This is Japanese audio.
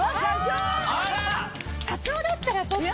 社長だったらちょっと。